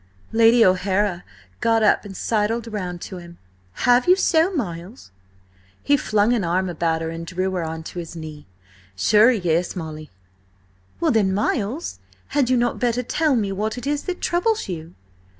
Lady O'Hara got up and sidled round to him. "Have you so, Miles?" He flung an arm about her and drew her on to his knee. "Sure, yes, Molly." "Well then, Miles, had you not better tell me what it is that troubles you?"